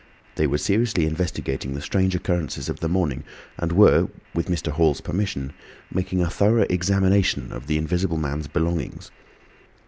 They were seriously investigating the strange occurrences of the morning, and were, with Mr. Hall's permission, making a thorough examination of the Invisible Man's belongings.